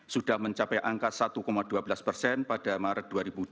sudah mencapai angka satu dua belas persen pada maret dua ribu dua puluh